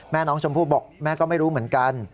แม่น้องชมพู่บอกแม่ก็ไม่รู้เหมือนกัน